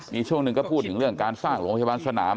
มีช่วงหนึ่งก็พูดถึงเรื่องการสร้างโรงพยาบาลสนาม